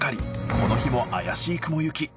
この日も怪しい雲行き。